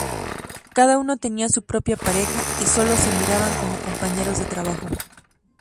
Cada uno tenía su propia pareja, y sólo se miraban como compañeros de trabajo.